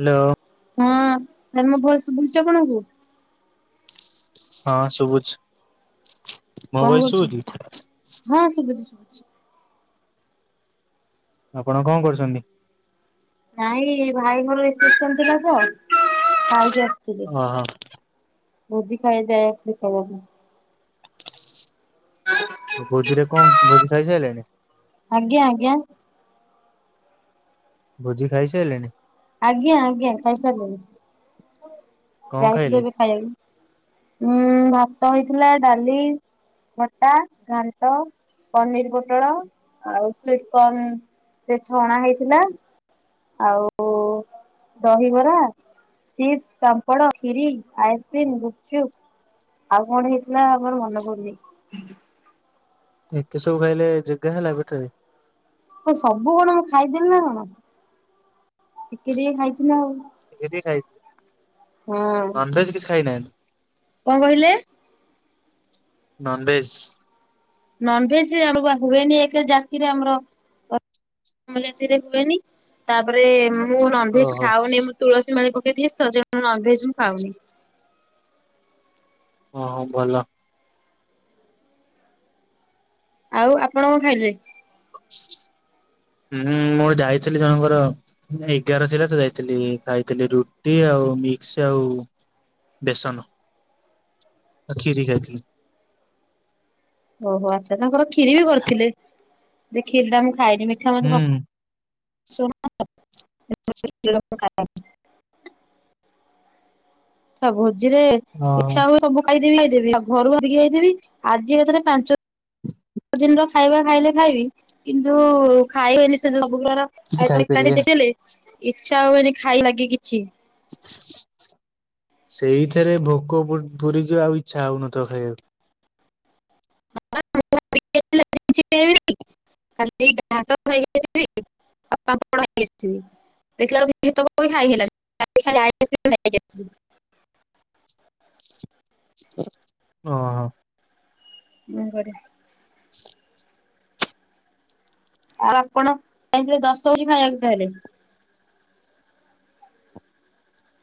Hello. ହଁ, ତାଲେ ମୋ ଭଏସ ଶୁଭୁଚି ଆପଣଙ୍କୁ। ହଁ ଶୁଭୁଚି। କଣ କରୁଚନ୍ତି, ହଁ ଶୁବୁଚି ଶୁୁବୁଚି। ଆପଣ କଁ କରୁଚନ୍ତି? ନାଇଁ ଭାଇଙ୍କର ରିସେପ୍ସନ ଥିଲା ତ ଖାଇତେ ଆସିଥିଲି। ଓହୋ ଭୋଜି ଖାଇ ଯାଏଥିଲି ତଳକୁ। ଆ ଭୋଜିରେ କଁ ଭୋଜି ଖାଇ ସାଇଲେଣି? ଆଜ୍ଞା ଆଜ୍ଞା। ଭୋଜି ଖାଇସାଇଲେଣି? ଆଜ୍ଞା ଆଜ୍ଞା ଖାଇସାରିଲିଣି। କଣ ଯାଇଥିଲୁ ଖାଇଲେ? ଏବେ ଖାଇବାକୁ, ଉଁ ଭାତ ହେଇଥିଲା ଡାଲି ଖଟା, ଘାଣ୍ଟ, ପନିର ପୋଟଳ ଆଉ ସ୍ବିଟ କର୍ଣ୍ଣ। ସେ ଛଣା ହେଇଥିଲା ଆଉ ଦହିବରା, ଚିପ୍ସ, ପାମ୍ପଡ, ଖିରି, ଆଇସ୍କ୍ରିମ୍, ଗୁପଚୁପ ଆଉ କଣ ହେଇଥିଲା ଆଉ ମୋର ମନ ପଡୁନି। ଏତେ ସବୁ ଖାଇଲେ ଜେଗା ହେଲା ପେଟରେ? ହଁ ସବୁ କଣ ମୁଁ ଖାଇଦେଲି ନା କଣ, ଟିକେ ଟିକେ ଖାଇଚି ନା ଆଉ। ଟିକେ ଟିକେ ଖାଇଛନ୍ତି। ହଁ ନନ୍ ଭେଜ କିଛି ଖାଇନାହାନ୍ତି? କଣ କହିଲେ? ନନଭେଜ୍? ନନଭେଜ ଆମ ଆଗୁରୁ ହୁଏନି, ଏକେ ଜାତିରେ ଆମର କ ଆମ ଜାତିରେ ହୁଏନି ତାପରେ ମୁଁ ନନଭେଜ ଓହୋ ଖାଉନି, ମୁଁ ତୁଳସୀ ମାଳି ପକେଇଥିଲି [unintelligible] ନନଭେଜ ମୁଁ ଖାଉନି। ହଁ ହଉ ଭଲ। ଆଉ ଆପଣ କଣ ଖାଇଲେ? ହୁଁ ମୁଁ ଯାଇଥିଲି ଜଣଙ୍କର ଏଗାର ଥିଲା ତ ଯାଇଥିଲି, ଖାଇଥିଲି ରୁଟି ଆଉ ମିକ୍ସ ଆଉ ବେସନ ଆଉ ଖିରି ଖାଇଥିଲି। ଓହୋ ଆଚ୍ଛା ତାଙ୍କର କ୍ଷିରି ବି କରିଥିଲେ, ଯେ କ୍ଷୀରିଟା ମୁଁ ଖାଇଲିନି ମିଠା ହୁଁ ମତେ ପ [unintelligible] ସ ଭୋଜିରେ ଓହୋ ଇଚ୍ଛା ହୁଏ ସବୁ ଖାଇଦେବି ଖାଇଦେବି ଆଉ ଘରୁକୁ ଭାବିକି ଯାଇଥିବି ଆଜି ଏକାଥରେ ପାଞ୍ଚ ଦିନର ଖାଇବା ଖାଇଲେ ଖାଇବି କିନ୍ତୁ ଖାଇବେନି ସେ ଯୋଉ ସବୁ ପ୍ରକାର କିଛି ଆଇଟମ୍ [unintelligible] ଖାଇପାରିବେନି। ଦେଖିଲେ ଇଚ୍ଛା ହୁଏନି ଖାଇବା ଲାଗି କିଛି ସେଇଥିରେ ଭୋକ ପୁ ପୁରିଯିବ ଆଉ ଇଚ୍ଛା ହଉ ନଥିବ ଖାଇବାକୁ। [unintelligible] କାଲି [unintelligible] ଆସିବେ ଆଉ ପାମ୍ପଡ ନେଇକି ଆସିବେ। ଦେଖିଲାଳକୁ ଏତକ ବି ଖାଇ ହେଲାନି [unintelligible] ଓହୋ। ମୁଁ ଘରେ। ଆଉ ଆପଣ ଯାଇଥିଲେ ଦଶ ଭୋଜି ଖାଇବାକୁ ତାହେଲେ?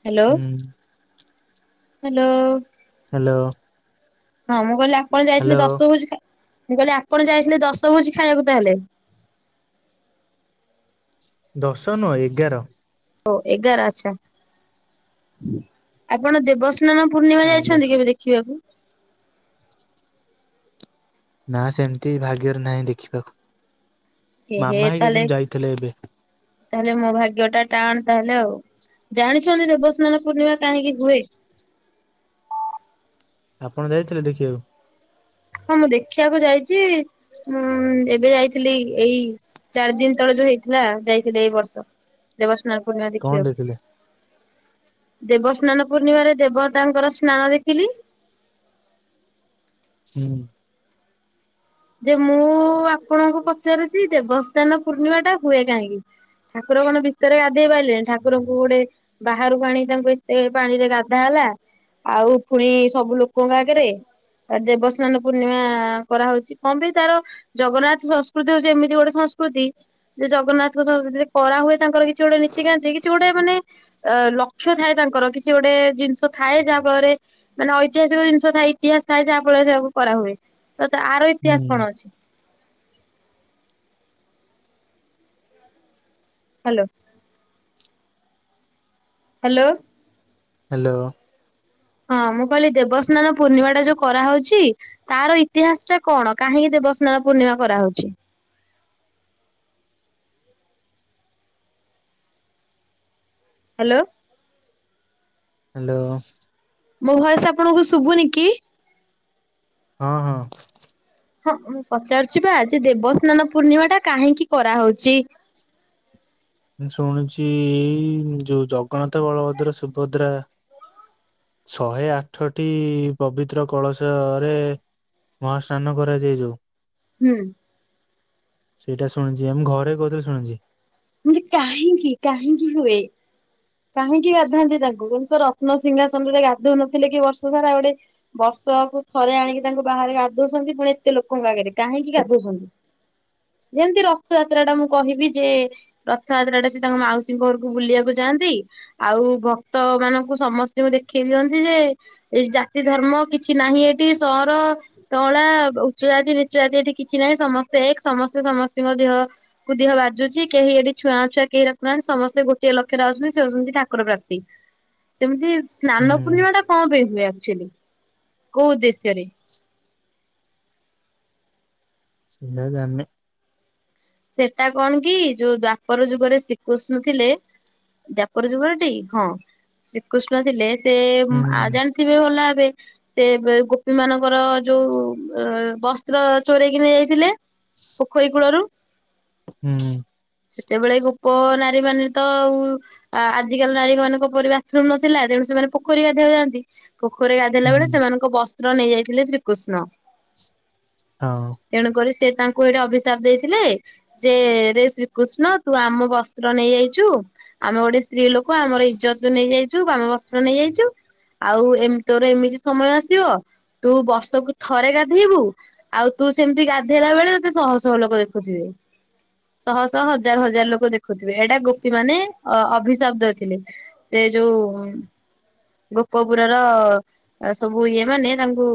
ହ୍ୟାଲୋ ହୁଁ ହ୍ୟାଲୋ। ହ୍ୟାଲୋ। ହଁ ମୁଁ କହିଲି ଆପଣ ହ୍ୟାଲୋ ଯାଇଥିଲେ ଦଶ ଭୋଜି ଖା ମୁଁ କହିଲି ଆପଣ ଯାଇଥିଲେ ଦଶ ଭୋଜି ଖାଇବାକୁ ତାହେଲେ? ଦଶ ନୁଅ ଏଗାର। ଓ ଏଗାର ଆଛା, ଆପଣ ଦେବସ୍ନାନ ପୂର୍ଣ୍ଣିମା ଆଜ୍ଞା ଯାଇଛନ୍ତି କେବେ ଦେ ଖିଆକୁ ନା ସେମିତି ଭାଗ୍ୟରେ ନାହିଁ ଦେଖିବାକୁ। ଏହେ ମାମା ହେଇକା ତାହେଲେ କିନ୍ତୁ ଯାଇଥିଲେ ଏବେ ତାହେଲେ ମୋ ଭାଗ୍ୟ ଟା ଟାଣ ତାହେଲେ ଆଉ। ଜାଣିଛନ୍ତି ଦେବସ୍ନାନ ପୂର୍ଣ୍ଣିମା କାହିଁକି ହୁଏ? ଆପଣ ଯାଇଥିଲେ ଦେଖିବାକୁ? ହଁ ମୁଁ ଦେଖିବାକୁ ଯାଇଛି ଉଁ ଏବେ ଯାଇଥିଲି ଏଇ ଚାରି ଦିନ ତଳେ ଯୋଉ ହେଇଥିଲା ଯାଇଥିଲି ଏଇ ବର୍ଷ ଦେବସ୍ନାନ ପୂର୍ଣ୍ଣିମା କଣ ଦେଖିବାକୁ। ଦେଖିଲେ ଦେବସ୍ନାନ ପୂର୍ଣ୍ଣିମାରେ ଦେବତାଙ୍କର ସ୍ନାନ ଦେଖିଲି। ହୁଁ। ଯେ ମୁଁ ଆପଣଙ୍କୁ ପଚାରୁଛି ଦେବସ୍ନାନ ପୂର୍ଣ୍ଣିମା ଟା ହୁଏ କାହିଁକି? ଠାକୁର କଣ ଭିତେରେ ଗାଧେଇ ପାଇଲେଣି ଠାକୁରଙ୍କୁ ଗୋଟେ ବାହାରୁକୁ ଆଣିକି ତାଙ୍କୁ ଏତେ ପାଣିରେ ଗାଧା ହେଲା। ଆଉ ଫୁଣି ସବୁ ଲୋକଙ୍କ ଆଗେରେ ଦେବସ୍ନାନ ପୂର୍ଣ୍ଣିମା କରାହଉଚି। କଣ ପାଇଁ ତାର ଜଗନ୍ନାଥ ସଂସ୍କୃତି ହଉଚି ଏମିତି ଗୋଟେ ସଂସ୍କୃତି ଯେ ଜଗନ୍ନାଥଙ୍କ ସଂସ୍କୃତିରେ କରା ହୁଏ ତାଙ୍କର କିଛି ଗୋଟେ ନୀତି କାନ୍ତି କିଛି ଗୋଟେ ମାନେ ଅ ଲକ୍ଷ୍ୟ ଥାଏ ତାଙ୍କର କି ଛି ଗୋଟେ ଜିନିଷ ଥାଏ ଯାହା ଫଳରେ ମାନେ ଐତିହାସିକ ଜିନିଷ ଥାଏ ଇତିହାସ ଥାଏ ଯାହା ଫଳରେ ତାକୁ କରା ହୁଏ ତ ଆର ଇତିହାସ ହୁଁ କଣ ଅଛି? ହାଲୋ। ହାଲୋ। ହାଲୋ। ହଁ ମୁଁ କହିଲି ଦେବସ୍ନାନ ପୂର୍ଣ୍ଣିମା ଟା ଯୋଉ କରାହଉଛି ତାର ଇତିହାସ ଟା କଣ କାହିଁକି ଦେବସ୍ନାନ ପୂର୍ଣ୍ଣିମା କରାହଉଛି? ହାଲୋ। ହାଲୋ। ମୋ ଭଏସେ ଆପଣଙ୍କୁ ଶୁବୁନି କି? ହଁ ହଁ। ହଁ ମୁଁ ପଚାରୁଚି ବା ଯେ ଦେବସ୍ନାନ ପୂର୍ଣ୍ଣିମା ଟା କାହିଁକି କରାହଉଚି? ମୁଁ ଶୁଣିଚି ଯୋଉ ଜଗନ୍ନାଥ ବଳଭଦ୍ର ସୁଭଦ୍ରା ଶହେ ଆଠଟି ପବିତ୍ର କଳସ ରେ ମହାସ୍ନାନ କରାଯାଏ ଯୋଉ। ହୁଁ। ସେଇଟା ଶୁଣିଚି ଆମ ଘରେ କହୁଥିଲେ ଶୁଣିଛି। ହୁଁ ଯେ କାହିଁକି କାହିଁକି ହୁଏ କାହିଁକି ଗାଧାନ୍ତି ତାଙ୍କୁୁ କିନ୍ତୁ ର ତ୍ନ ସିଂହାସନରେ ଗାଧଉ ନଥିଲେ କି ବର୍ଷ ସାରା ଗୋଟେ ବର୍ଷକୁ ଥରେ ଆଣିକି ତାଙ୍କୁ ବାହାରେ ଗାଧଉଛନ୍ତି ପୁଣି ଏତେ ଲୋକଙ୍କ ଆଗରେ କାହିଁକି ଗାଧଉଛନ୍ତି? ଯେମତି ରଥଯାତ୍ରା ଟା ମୁଁ କହିବି ଯେ ରଥଯାତ୍ରାରେ ସେ ତାଙ୍କ ମାଉସୀ ଘରୁକୁ ବୁଲିଆକୁ ଯାଆନ୍ତି। ଆଉ ଭକ୍ତ ମାନଙ୍କୁ ସମସ୍ତିଙ୍କୁ ଦେଖେଇ ଦିଅନ୍ତି ଯେ ଏଇ ଜାତି ଧର୍ମ କିଛି ନାହିଁ ଏଠି ସହର ତଳା ଉଚ୍ଚ ଜାତି ନିଚ୍ଚ ଜାତି ଏଠି କିଛି ନାହିଁ ସମସ୍ତେ ଏକ୍ ସମସ୍ତେ ସମସ୍ତିଙ୍କ ଦେହ କୁ ଦେହ ବାଜୁଚି। କେହି ଏଠି ଛୁଆ ଅଛୁଆଁ କେହି ରଖୁନାହାନ୍ତି ସମସ୍ତେ ଗୋଟିଏ ଲକ୍ଷ୍ୟରେ ଆସୁଛନ୍ତି ସେ ହଉଚନ୍ତି ଠାକୁର ପ୍ରାପ୍ତି। ସେମିତି ସ୍ନାନ ହୁଁ ପୂର୍ଣ୍ଣିମା ଟା କଣ ପାଇଁ ହୁଏ ଆକଚାଲି କୋଉ ଉଦ୍ଦେଶ୍ୟରେ? ସେଇଟା ଜାଣିନି। ସେଟା କଣ କି ଯୋଉ ଦ୍ଵାପର ଯୁଗରେ ଶ୍ରୀକୃଷ୍ଣ ଥିଲେ। ଦ୍ଵାପର ଯୁଗରେ ଟି ହଁ ଶ୍ରୀକୃଷ୍ଣ ଥିଲେ ସେ ଉଁ ଆ ହୁଁ ଜାଣ ଥିବେ ଭଲ ଭାବେ। ସେ ଏବେ ଗୋପୀ ମାନଙ୍କର ଯୋଉ ଅ ବସ୍ତ୍ର ଚୋରେଇକି ନେଇ ଯାଇଥିଲେ। ପୋଖରୀ କୂଳରୁ। ହୁଁ ହୁଁ। ସେତେବେଳେ ଗୋପ ନାରୀ ମାନେ ତ ଆଉ ଆ-ଆଜିକାଲି ନାରୀ ମାନଙ୍କ ପରି ବାଥରୁମ ନଥିଲା ତେଣୁ ସେମାନେ ପୋଖରୀକି ଗାଧେଇଆକୁ ଯାଆନ୍ତି। ପୋଖରୀରେ ଗାଧେଇଲା ବେଳେ ହୁଁ ସେମାନଙ୍କ ବସ୍ତ୍ର ନେଇ ଯାଇଥିଲେ ଶ୍ରୀକୃଷ୍ଣ। ହଁ। ତେଣୁକରି ସେ ତାଙ୍କୁ ଏଇଠେ ଅଭିିଶାପ ଦେଇ ଥିଲେ ଯେ ରେ ଶ୍ରୀକୃଷ୍ଣ ତୁ ଆମ ବସ୍ତ୍ର ନେଇ ଯାଇଚୁ। ଆମେ ଗୋଟେ ସ୍ତ୍ରୀ ଲୋକ ଆମର ଇଜ୍ଜତୁ ନେଇଯାଇଚୁ ଆମ ବସ୍ତ୍ର ନେଇଯାଇଚୁ। ଆଉ ଏମିତି ତୋର ଏମିତି ସମୟ ଆସିବ ତୁ ବର୍ଷକୁ ଥରେ ଗାଧେଇବୁ ଆଉ ତୁ ସେମିତି ଗାଧେଇଲା ବେଳେ ତତେ ଶହ ଶହ ଲୋକ ଦେଖିଥିବେ। ଶହ ଶହ ହଜାର ହଜାର ଲୋକ ଦେଖୁଥିବେ। ଏଇଟା ଗୋପୀ ମାନେ ଅ ଅଭିସାପ ଦେଇଥିଲେ। ସେ ଯୋଉ ଗୋପଗୁର ର ଅ ସବୁ ଇଏ ମାନେ ତାଙ୍କୁ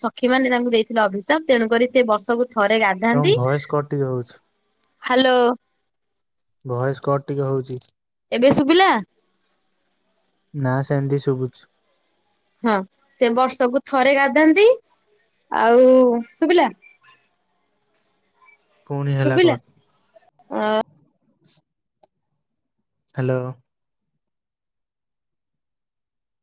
ସଖୀ ମାନେ ତାଙ୍କୁ ଦେଇଥିଲେ ଅଭିଷାପ ତେଣୁକରି ସେ ବର୍ଷକୁ ଥରେ ଗାଧା ତମ ଭୟସ କଟି ହଉଛି। ହାଲୋ। ଭହେଶ୍ କଟ ଟିକେ ହଉଚି। ଏବେ ଶୁଭିଲା। ନା ସେମିତି ଶୁଭୁଛୁ। ହଁ ସେ ବର୍ଷକୁ ଥରେ ଗାଧାନ୍ତି ଆଉ ଶୁଭିଲା। ପୁଣି ହେଲା ସୁବିଲା କଟ ଆଁ ହାଲୋ।